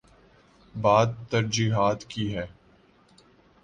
بات ترجیحات کی ہے۔